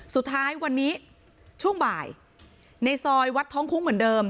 สุดท้ายวันนี้ช่วงบ่ายในซอยวัดท้องคุ้งเหมือนเดิม